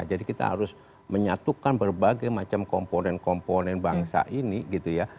jadi kita harus menyatukan berbagai macam komponen komponen bangsa ini gitu ya